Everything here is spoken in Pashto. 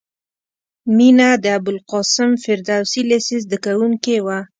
مینه د ابوالقاسم فردوسي لېسې زدکوونکې وه